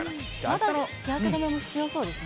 まだ日焼け止め必要そうです